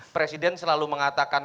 presiden selalu mengatakan